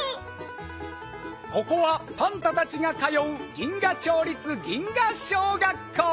ここはパンタたちがかよう銀河町立ギンガ小学校。